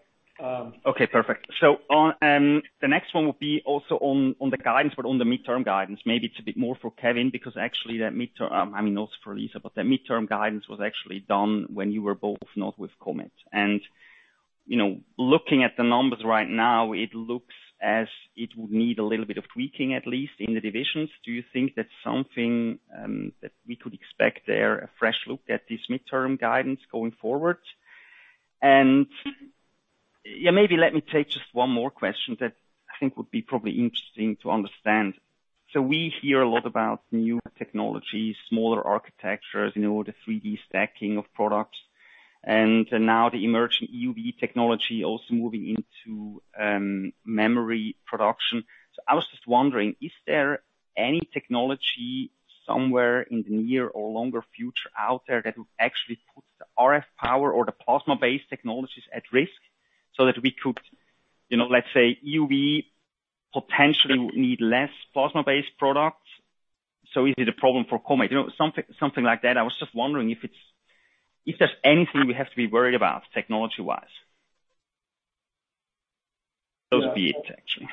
[SPEAKER 7] Okay, perfect. The next one would be also on the guidance, but on the midterm guidance. Maybe it's a bit more for Kevin, because actually that midterm. Also for Lisa, but that midterm guidance was actually done when you were both not with Comet. Looking at the numbers right now, it looks as it would need a little bit of tweaking, at least in the divisions. Do you think that's something that we could expect there, a fresh look at this midterm guidance going forward? Maybe let me take just one more question that I think would be probably interesting to understand. We hear a lot about new technologies, smaller architectures, the 3D packaging of products, and now the emerging EUV technology also moving into memory production. I was just wondering, is there any technology somewhere in the near or longer future out there that would actually put the RF power or the plasma-based technologies at risk? That we could, let's say EUV potentially would need less plasma-based products, so is it a problem for Comet? Something like that. I was just wondering if there's anything we have to be worried about technology-wise. Those would be it, actually.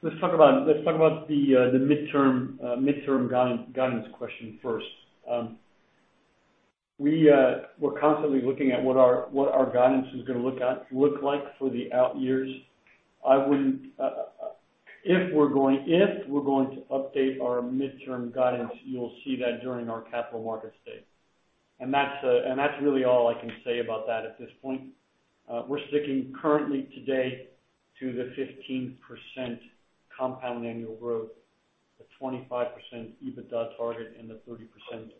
[SPEAKER 3] Let's talk about the midterm guidance question first. We're constantly looking at what our guidance is going to look like for the out years. If we're going to update our midterm guidance, you'll see that during our Capital Markets Day. That's really all I can say about that at this point. We're sticking currently today to the 15% compound annual growth, the 25% EBITDA target, and the 30%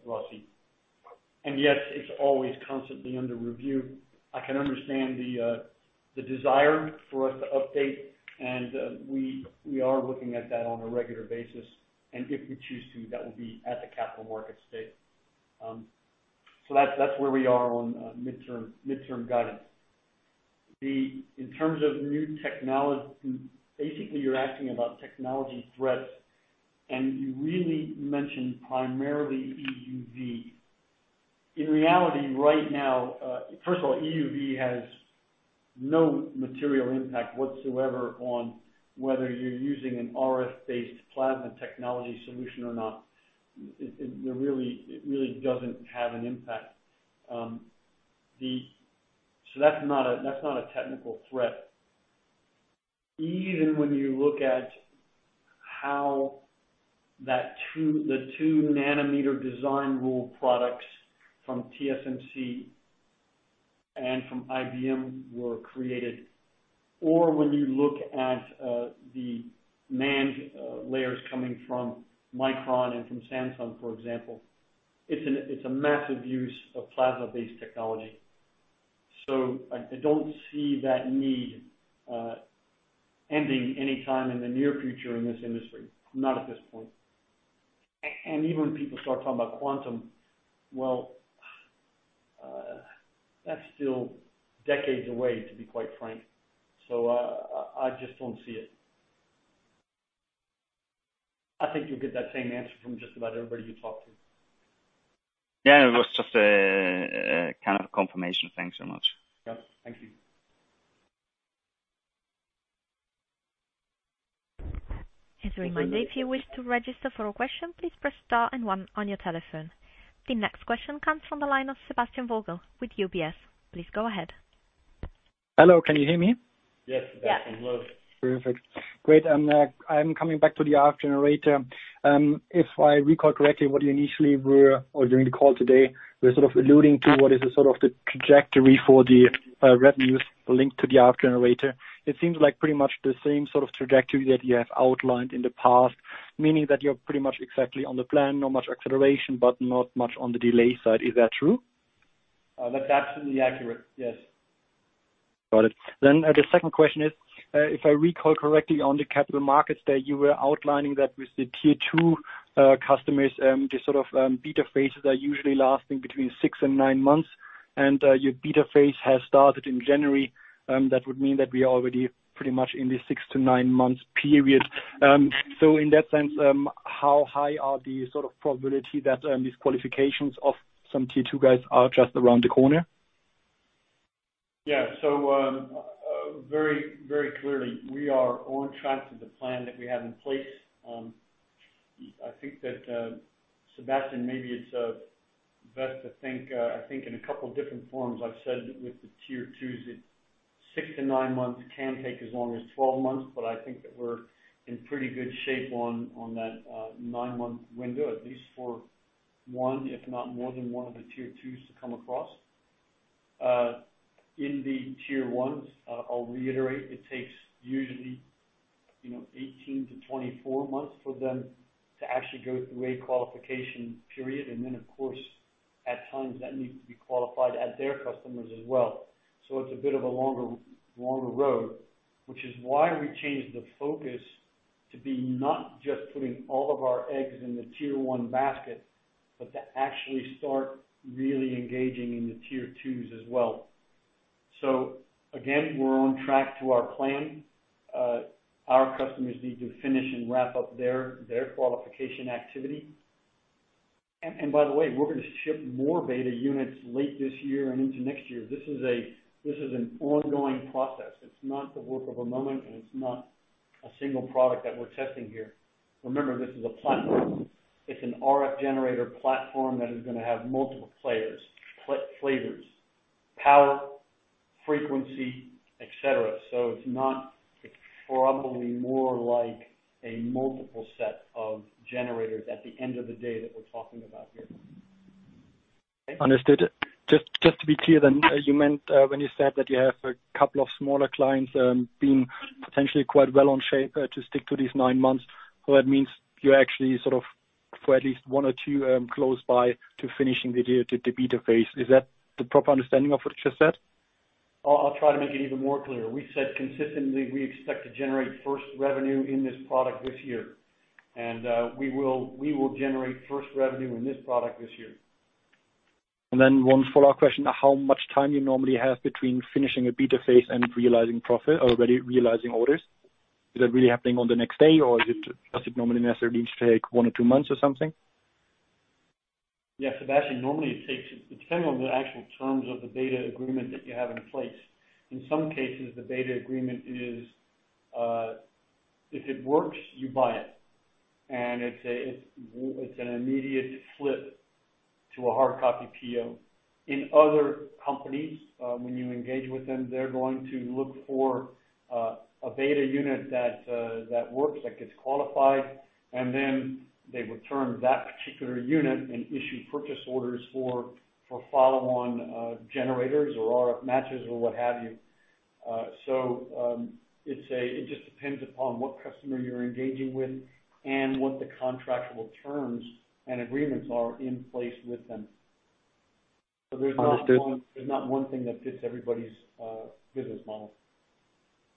[SPEAKER 3] ROIC. Yes, it's always constantly under review. I can understand the desire for us to update, and we are looking at that on a regular basis. If we choose to, that will be at the Capital Markets Day. That's where we are on midterm guidance. In terms of new technology, basically you're asking about technology threats, and you really mentioned primarily EUV. In reality, right now, first of all, EUV has no material impact whatsoever on whether you're using an RF-based plasma technology solution or not. It really doesn't have an impact. That's not a technical threat. Even when you look at how the 2 nanometer design rule products from TSMC and from IBM were created, or when you look at the NAND layers coming from Micron and from Samsung, for example, it's a massive use of plasma-based technology. I don't see that need ending anytime in the near future in this industry, not at this point. Even when people start talking about quantum, well, that's still decades away, to be quite frank. I just don't see it. I think you'll get that same answer from just about everybody you talk to.
[SPEAKER 7] It was just kind of a confirmation. Thanks so much.
[SPEAKER 3] Yeah. Thank you.
[SPEAKER 1] As a reminder, if you wish to register for a question, please press star and one on your telephone. The next question comes from the line of Sebastian Vogel with UBS. Please go ahead.
[SPEAKER 8] Hello, can you hear me?
[SPEAKER 3] Yes.
[SPEAKER 8] Yes. Perfect. Great. I'm coming back to the RF generator. If I recall correctly, what you initially or during the call today, were sort of alluding to what is the sort of the trajectory for the revenues linked to the RF generator. It seems like pretty much the same sort of trajectory that you have outlined in the past, meaning that you're pretty much exactly on the plan, not much acceleration, but not much on the delay side. Is that true?
[SPEAKER 3] That's absolutely accurate. Yes.
[SPEAKER 8] Got it. The second question is, if I recall correctly, on the capital markets that you were outlining that with the tier 2 customers, the sort of beta phases are usually lasting between six and nine months, and your beta phase has started in January. That would mean that we are already pretty much in the six- to nine-month period. In that sense, how high are the sort of probability that these qualifications of some tier 2 guys are just around the corner?
[SPEAKER 3] Very clearly, we are on track to the plan that we have in place. I think that, Sebastian, maybe it's best to think in a couple different forms. I've said with the tier 2s, it's six to nine months. It can take as long as 12 months, but I think that we're in pretty good shape on that nine-month window, at least for one, if not more than one of the tier 2s to come across. In the tier 1s, I'll reiterate, it takes usually 18 to 24 months for them to actually go through a qualification period. Then, of course, at times that needs to be qualified at their customers as well. It's a bit of a longer road, which is why we changed the focus to be not just putting all of our eggs in the tier 1 basket, but to actually start really engaging in the tier 2s as well. Again, we're on track to our plan. Our customers need to finish and wrap up their qualification activity. By the way, we're going to ship more beta units late this year and into next year. This is an ongoing process. It's not the work of a moment, and it's not a single product that we're testing here. Remember, this is a platform. It's an RF generator platform that is going to have multiple flavors: power, frequency, et cetera. It's probably more like a multiple set of generators at the end of the day that we're talking about here.
[SPEAKER 8] Understood. Just to be clear, you meant, when you said that you have a couple of smaller clients being potentially quite well in shape to stick to these nine months, that means you're actually sort of for at least one or two close by to finishing the beta phase. Is that the proper understanding of what you just said?
[SPEAKER 3] I'll try to make it even more clear. We said consistently, we expect to generate first revenue in this product this year. We will generate first revenue in this product this year.
[SPEAKER 8] One follow-up question. How much time you normally have between finishing a beta phase and realizing profit, already realizing orders? Is that really happening on the next day, or does it normally necessarily need to take one or two months or something?
[SPEAKER 3] Yeah, Sebastian, normally it depends on the actual terms of the beta agreement that you have in place. In some cases, the beta agreement is if it works, you buy it, and it's an immediate flip to a hard copy PO. In other companies, when you engage with them, they're going to look for a beta unit that works, that gets qualified, and then they return that particular unit and issue purchase orders for follow-on generators or RF matches or what have you. So it just depends upon what customer you're engaging with and what the contractual terms and agreements are in place with them.
[SPEAKER 8] Understood.
[SPEAKER 3] There's not one thing that fits everybody's business model.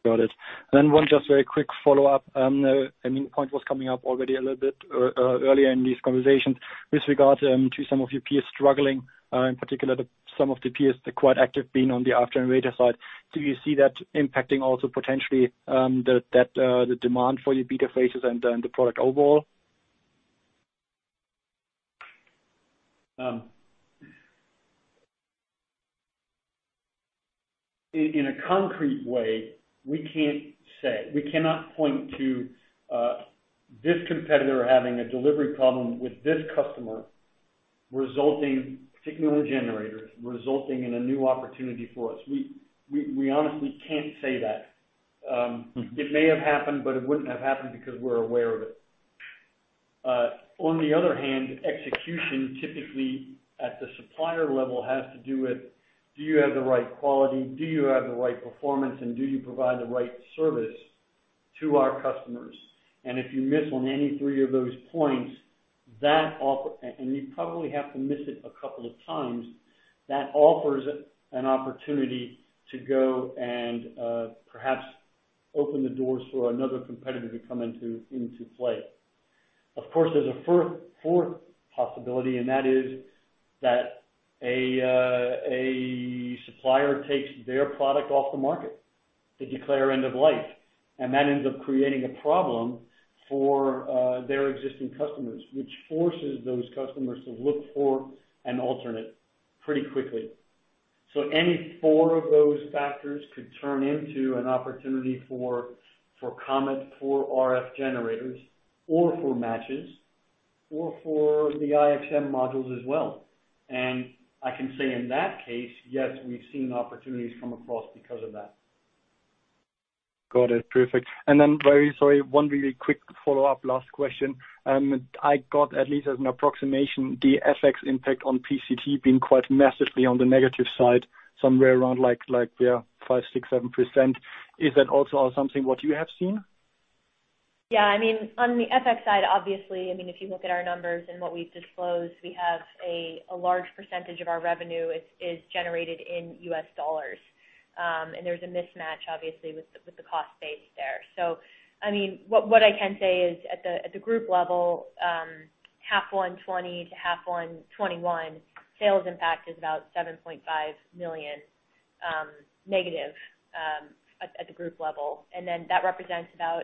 [SPEAKER 8] Got it. One just very quick follow-up. I mean, the point was coming up already a little bit earlier in this conversation with regard to some of your peers struggling, in particular, some of the peers that are quite active being on the RF generator side. Do you see that impacting also potentially the demand for your beta phases and the product overall?
[SPEAKER 3] In a concrete way, we can't say. We cannot point to this competitor having a delivery problem with this customer, particular generator, resulting in a new opportunity for us. We honestly can't say that. It may have happened, but it wouldn't have happened because we're aware of it. On the other hand, execution typically at the supplier level has to do with, do you have the right quality? Do you have the right performance? Do you provide the right service to our customers? If you miss on any three of those points, and you probably have to miss it a couple of times, that offers an opportunity to go and perhaps open the doors for another competitor to come into play. Of course, there's a fourth possibility, and that is that a supplier takes their product off the market. They declare end of life, and that ends up creating a problem for their existing customers, which forces those customers to look for an alternate pretty quickly. Any four of those factors could turn into an opportunity for Comet, for RF generators, or for matches, or for the ion modules as well. I can say in that case, yes, we've seen opportunities come across because of that.
[SPEAKER 8] Got it. Perfect. Very sorry, one really quick follow-up last question. I got at least as an approximation, the FX impact on PCT being quite massively on the negative side, somewhere around like 5%, 6%, 7%. Is that also something what you have seen?
[SPEAKER 4] Yeah. On the FX side, obviously, if you look at our numbers and what we've disclosed, we have a large percentage of our revenue is generated in U.S. dollars. There's a mismatch obviously with the cost base there. What I can say is at the group level, half 1 2020 to half 1 2021, sales impact is about 7.5 million negative at the group level. That represents about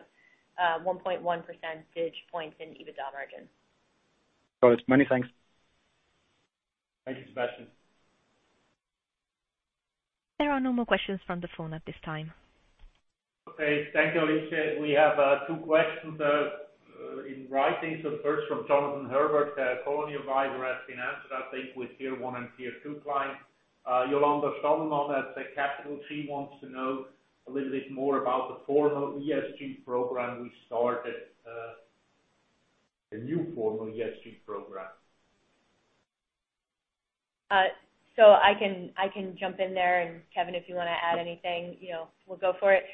[SPEAKER 4] 1.1 percentage points in EBITDA margin.
[SPEAKER 8] Got it. Many thanks.
[SPEAKER 3] Thank you, Sebastian.
[SPEAKER 1] There are no more questions from the phone at this time.
[SPEAKER 3] Okay. Thank you, Alicia. We have two questions in writing. The first from Jonathan Herbert, Cologny Advisors LLP, has been answered, I think, with tier 1 and tier 2 clients. Yolanda Stoneman at Capital T wants to know a little bit more about the formal ESG program we started, the new formal ESG program.
[SPEAKER 4] I can jump in there, and Kevin, if you want to add anything, we'll go for it.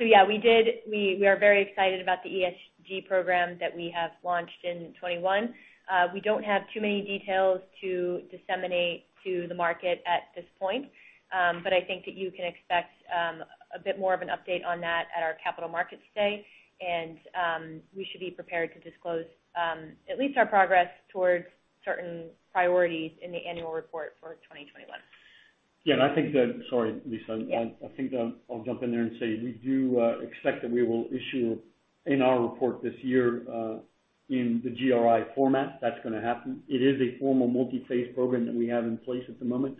[SPEAKER 4] We are very excited about the ESG program that we have launched in 2021. We don't have too many details to disseminate to the market at this point. I think that you can expect a bit more of an update on that at our capital markets day. We should be prepared to disclose at least our progress towards certain priorities in the annual report for 2021.
[SPEAKER 3] Yeah, Sorry, Lisa. I think that I'll jump in there and say we do expect that we will issue in our report this year, in the GRI format. That's going to happen. It is a formal multi-phase program that we have in place at the moment.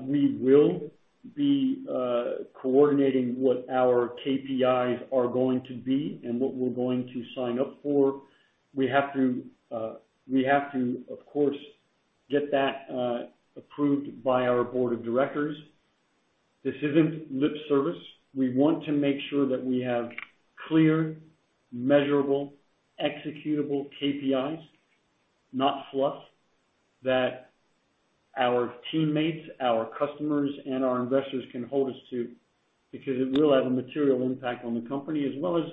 [SPEAKER 3] We will be coordinating what our KPIs are going to be and what we're going to sign up for. We have to, of course, get that approved by our board of directors. This isn't lip service. We want to make sure that we have clear, measurable, executable KPIs, not fluff, that our teammates, our customers, and our investors can hold us to, because it will have a material impact on the company as well as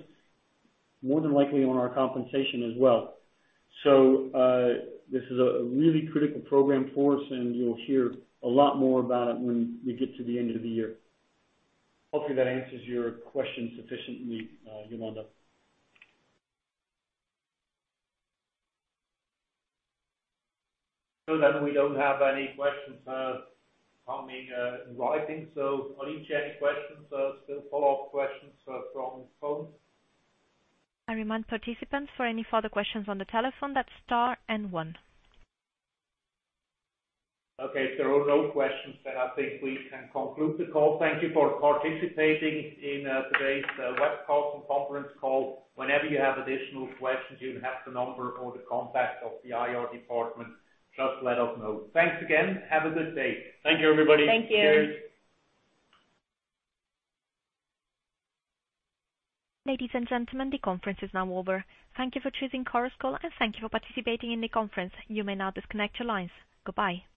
[SPEAKER 3] more than likely on our compensation as well. This is a really critical program for us, and you'll hear a lot more about it when we get to the end of the year. Hopefully, that answers your question sufficiently, Yolanda. We don't have any questions coming in writing. Alicia, any questions, still follow-up questions from phone?
[SPEAKER 1] I remind participants for any further questions on the telephone, that's star and one.
[SPEAKER 3] Okay. If there are no questions, then I think we can conclude the call. Thank you for participating in today's webcast and conference call. Whenever you have additional questions, you have the number or the contact of the IR department. Just let us know. Thanks again. Have a good day.
[SPEAKER 4] Thank you.
[SPEAKER 3] Thank you, everybody. Cheers.
[SPEAKER 1] Ladies and gentlemen, the conference is now over. Thank you for choosing Chorus Call, and thank you for participating in the conference. You may now disconnect your lines. Goodbye.